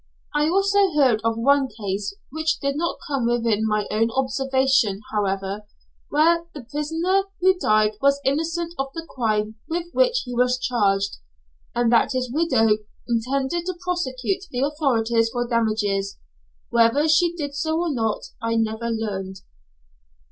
I also heard of one case, which did not come within my own observation, however, where the prisoner who died was innocent of the crime with which he was charged, and that his widow intended to prosecute the authorities for damages. Whether she did so or not I never learned.